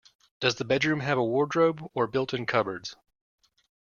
Does the bedroom have a wardrobe, or built-in cupboards?